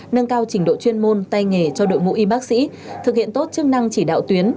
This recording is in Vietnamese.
nâng cao trình độ chuyên môn tay nghề cho đội ngũ y bác sĩ thực hiện tốt chức năng chỉ đạo tuyến